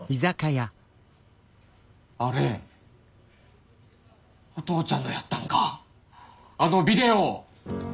あれお父ちゃんのやったんかあのビデオ！